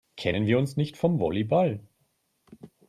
Kennen wir uns nicht vom Volleyball?